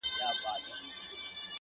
هله قربان دې سمه هله صدقه دې سمه!